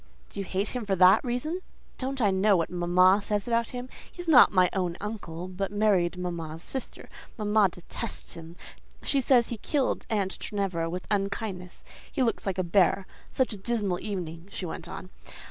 "Do you hate him for that reason?" "Don't I know what mamma says about him? He is not my own uncle, but married mamma's sister. Mamma detests him; she says he killed aunt Ginevra with unkindness: he looks like a bear. Such a dismal evening!" she went on.